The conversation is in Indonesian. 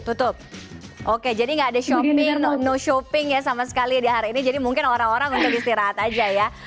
tutup oke jadi nggak ada shopping no shopping ya sama sekali di hari ini jadi mungkin orang orang untuk istirahat aja ya